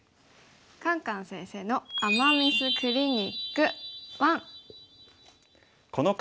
「カンカン先生の“アマ・ミス”クリニック１」。